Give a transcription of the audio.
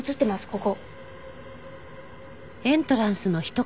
ここ。